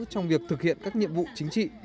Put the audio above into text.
trong việc thực hiện các nhiệm vụ chính trị